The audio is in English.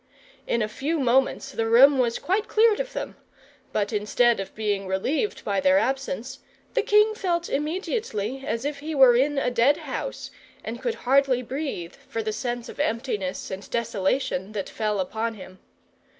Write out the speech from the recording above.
In a few moments, the room was quite cleared of them; but instead of being relieved by their absence, the king felt immediately as if he were in a dead house, and could hardly breathe for the sense of emptiness and desolation that fell upon him.